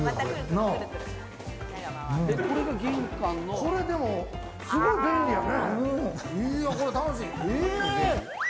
これ、でもすごい便利やね。